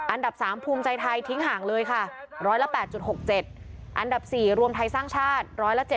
อันดับ๓ภูมิใจไทยทิ้งห่างเลยค่ะ๑๐๘๖๗อันดับ๔รวมไทยสร้างชาติ๑๗๐